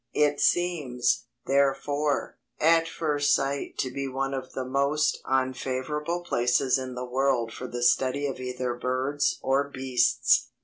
It seems, therefore, at first sight to be one of the most unfavourable places in the world for the study of either birds or beasts.